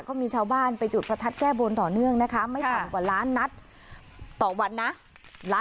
ก็มีชาวบ้านไปจุดประทัดแก้บนต่อเนื่องนะคะไม่ต่ำกว่าล้านนัดต่อวันนะ